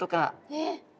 えっ？